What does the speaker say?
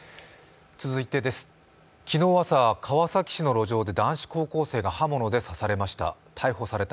続いて、昨日朝、川崎市の路上で男子高校生が刃物で刺されました。